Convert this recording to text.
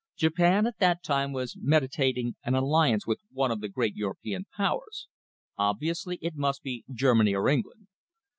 Japan at that time was meditating an alliance with one of the great European Powers. Obviously it must be Germany or England.